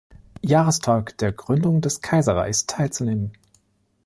Jahrestag der Gründung des Kaiserreichs teilzunehmen.